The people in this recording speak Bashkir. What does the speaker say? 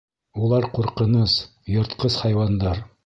Улар ҡурҡыныс, йыртҡыс хайуандар.